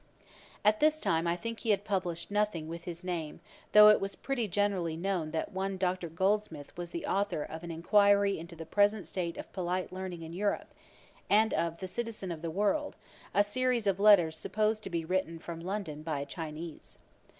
At this time I think he had published nothing with his name, though it was pretty generally known that one Dr. Goldsmith was the authour of An Enquiry into the present State of polite Learning in Europe, and of The Citizen of the World, a series of letters supposed to be written from London by a Chinese.